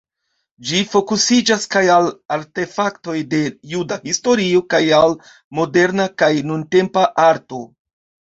Ĝi fokusiĝas kaj al artefaktoj de juda historio kaj al moderna kaj nuntempa arto.